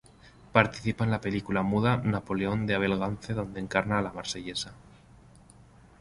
Participa en la película muda Napoleon de Abel Gance donde encarna a La Marsellesa.